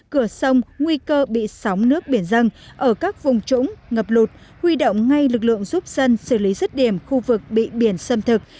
cửa sông nguy cơ bị sóng nước biển dân ở các vùng trũng ngập lụt huy động ngay lực lượng giúp dân xử lý rứt điểm khu vực bị biển xâm thực